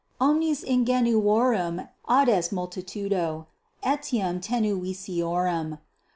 Omnis ingenuorum adest multitudo, etiam 16 tenuissimorum.